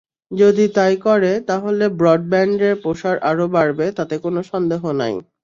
যদি তাই-ই করে, তাহলে ব্রডব্যান্ডের প্রসার আরও বাড়বে তাতে কোনো সন্দেহ নেই।